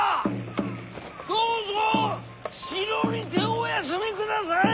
どうぞ城にてお休みくだされ！